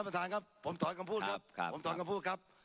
ท่านประธานครับผมสอนคำพูดครับ